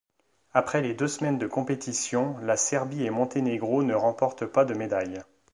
Après les deux semaines de compétitions, la Serbie-et-Monténégro ne remporte pas de médaille.